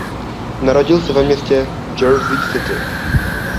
Narodil se ve městě Jersey City.